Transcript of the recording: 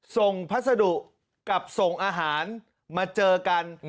ทรงพัฒดุกับทรงอาหารมาเจอกัน